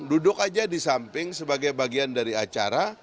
duduk aja di samping sebagai bagian dari acara